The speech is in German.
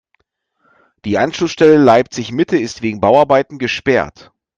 Die Anschlussstelle Leipzig-Mitte ist wegen Bauarbeiten gesperrt.